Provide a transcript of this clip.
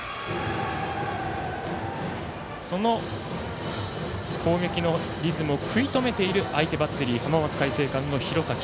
その攻撃のリズムを食い止めている相手バッテリー浜松開誠館の廣崎。